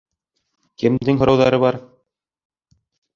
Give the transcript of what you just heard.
Кемдең һорауҙары бар?